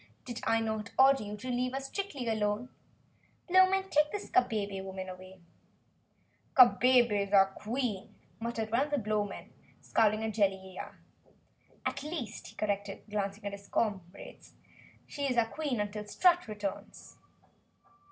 "Did I not order you to leave us strictly alone? Blowmen, take this Kabebe woman away!" "Kabebe's our Queen," muttered one of the Blowmen, scowling at Jellia. "At least," he corrected, glancing at his comrades, "she is our Queen until Strut returns."